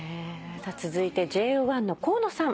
続いてＪＯ１の河野さん